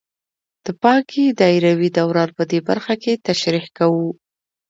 د پانګې دایروي دوران په دې برخه کې تشریح کوو